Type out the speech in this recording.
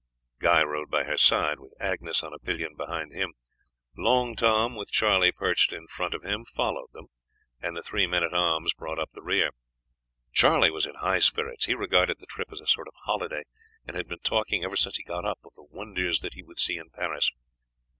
Guy rode by her side, with Agnes on a pillion behind him. Long Tom, with Charlie perched in front of him, followed them, and the three men at arms brought up the rear. Charlie was in high spirits; he regarded the trip as a sort of holiday, and had been talking, ever since he got up, of the wonders that he should see in Paris.